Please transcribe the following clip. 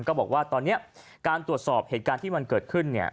บอกว่าตอนนี้การตรวจสอบเหตุการณ์ที่มันเกิดขึ้นเนี่ย